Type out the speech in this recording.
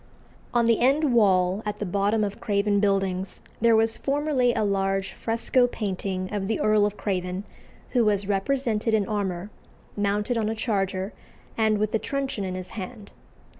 On the end wall at the bottom of Craven Buildings there was formerly a large fresco painting of the Earl of Craven, who was represented in armour, mounted on a charger, and with a truncheon in his hand.